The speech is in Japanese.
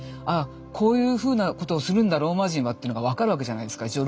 ああこういうふうなことをするんだローマ人はっていうのが分かるわけじゃないですか。